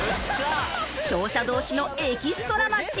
勝者同士のエキストラマッチ。